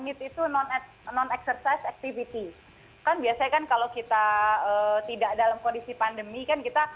need itu non exercise activity kan biasanya kan kalau kita tidak dalam kondisi pandemi kan kita